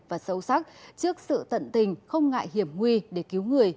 và sâu sắc trước sự tận tình không ngại hiểm nguy để cứu người